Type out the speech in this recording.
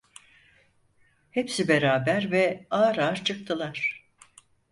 Hepsi beraber ve ağır ağır çıktılar.